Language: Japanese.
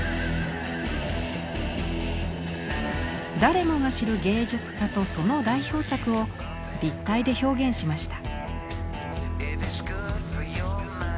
誰もが知る芸術家とその代表作を立体で表現しました。